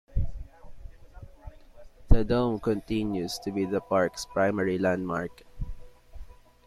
The Dome continues to be the park's primary landmark.